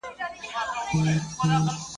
يوه ويل کور مي تر تا جار، بل واښکى ورته هوار کی.